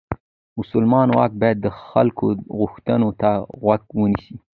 مسلمان واکمن باید د خلکو غوښتنو ته غوږ ونیسي.